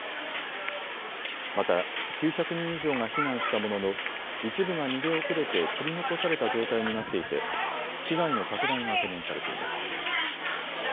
また、９００人以上が避難したものの一部が逃げ遅れて取り残された状態になっていて被害の拡大が懸念されています。